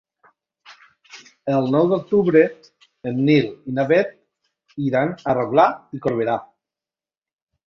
El nou d'octubre en Nil i na Bet iran a Rotglà i Corberà.